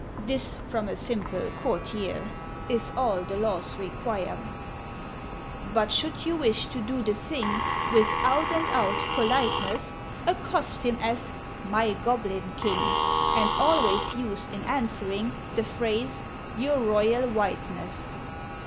This, from a simple courtier, Is all the Laws require_: "_But, should you wish to do the thing With out and out politeness, Accost him as 'My Goblin King!' And always use, in answering, The phrase 'Your Royal Whiteness!'